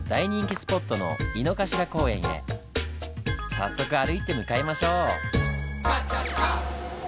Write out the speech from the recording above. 早速歩いて向かいましょう！